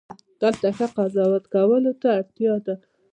دلته ښه قضاوت کولو ته اړتیا ده.